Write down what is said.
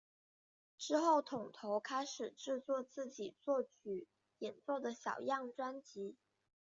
之后桶头开始制作自己作曲演奏的小样专辑。